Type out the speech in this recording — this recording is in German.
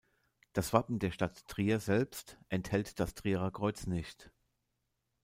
Das Wappen der Stadt Trier selbst enthält das Trierer Kreuz nicht.